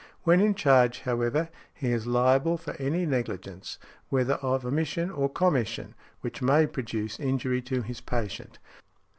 When in charge, however, he is liable for any negligence, whether of omission or commission, which may produce injury to his patient.